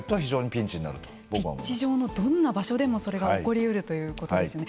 ピッチ上のどんな場所でもそれが起こりうるということですよね。